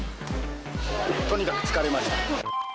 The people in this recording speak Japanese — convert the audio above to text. とにかく疲れました